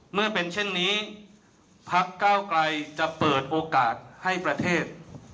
เมื่อเป็นเช่นนี้พักเก้าไกลจะเปิดโอกาสให้ประเทศ